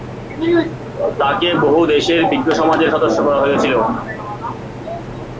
তাকে বহু দেশের বিজ্ঞ সমাজের সদস্য করা হয়েছিল।